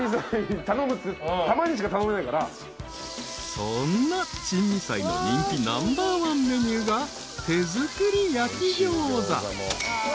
［そんな珍味斉の人気ナンバーワンメニューが手作り焼きギョーザ］